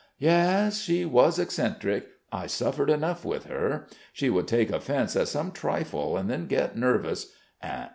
"Yes, she was eccentric. I suffered enough with her. She would take offence at some trifle and then get nervous....